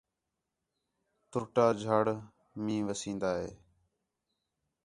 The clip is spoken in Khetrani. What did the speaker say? تُرٹا جُھڑ مِین٘ہ وسین٘دا ہے